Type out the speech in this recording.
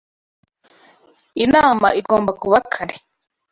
Inama igomba kuba kare